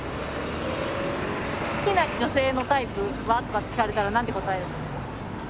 「好きな女性のタイプは？」とか聞かれたら何て答えるんですか？